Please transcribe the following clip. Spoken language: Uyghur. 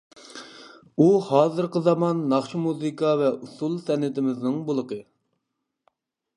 ئۇ ھازىرقى زامان ناخشا-مۇزىكا ۋە ئۇسسۇل سەنئىتىمىزنىڭ بۇلىقى.